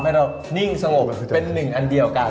ให้เรานิ่งสงบเป็นหนึ่งอันเดียวกัน